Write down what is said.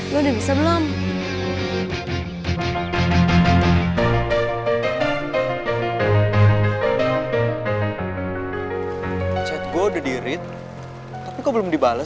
lo udah dateng sini soalnya gue kepikiran lo kan belum bisa main gitar